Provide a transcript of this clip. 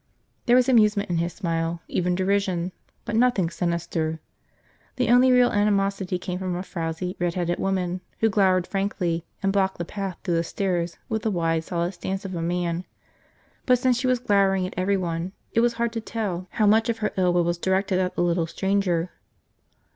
There was amusement in his smile, even derision, but nothing sinister. The only real animosity came from a frowsy, redheaded woman who glowered frankly and blocked the path to the stairs with the wide, solid stance of a man; but since she was glowering at everyone it was hard to tell how much of her ill will was directed at the little stranger.